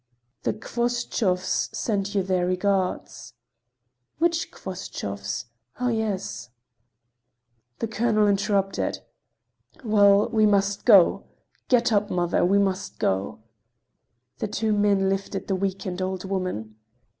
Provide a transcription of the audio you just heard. The Khvostovs send you their regards." "Which Khvostovs? Oh, yes!" The colonel interrupted: "Well, we must go. Get up, mother; we must go." The two men lifted the weakened old woman.